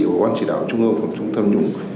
và quan trị đạo trung ương phòng trung tham nhũng